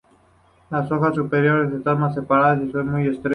Las hojas superiores están más separadas y son muy estrechas.